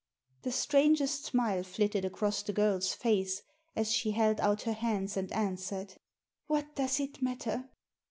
The strangest smile flitted across the girl's face as she held out her hands and answered — "What does it matter?"